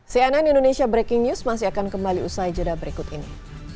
cnn indonesia breaking news masih akan kembali usai jeda berikut ini